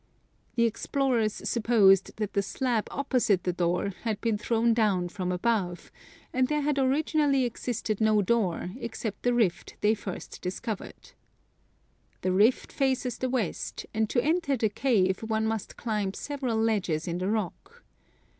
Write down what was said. The explorers supposed that the slab opposite the door had been thrown down from above, and that there had originally existed no door, except the rift they first discovered. The rift faces the west, and to enter the cave one must climb several ledges in the rock.